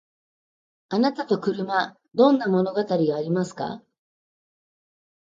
あなたと車どんな物語がありますか？